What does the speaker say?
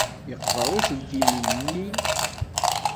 Yeqber uselkim-nni.